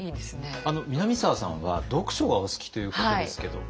南沢さんは読書がお好きということですけど。